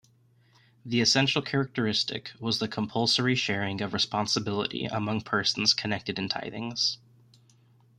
The essential characteristic was the compulsory sharing of responsibility among persons connected in tithings.